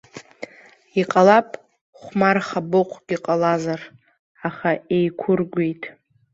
Иҟалап, хәмар хабоҟәгьы ҟалазар, аха еиқәыргәеит.